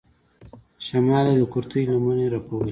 شمال يې د کورتۍ لمنې رپولې.